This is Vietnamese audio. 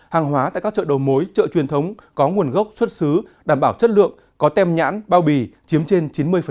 hàng hóa tại các chợ đầu mối chợ truyền thống có nguồn gốc xuất xứ đảm bảo chất lượng có tem nhãn bao bì chiếm trên chín mươi